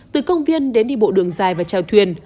từ công viên đến đi bộ đường dài và chào thuyền